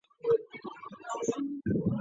官至山东巡抚。